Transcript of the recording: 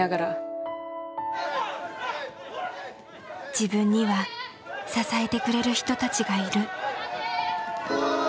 自分には支えてくれる人たちがいる。